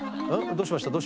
どうしました？